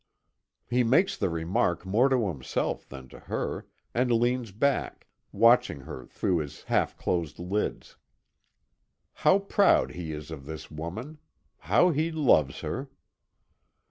He makes the remark more to himself than to her, and leans back, watching her through his half closed lids. How proud he is of this woman! How he loves her!